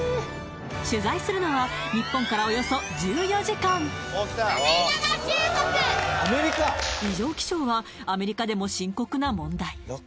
取材するのは日本からおよそ１４時間はアメリカでも深刻な問題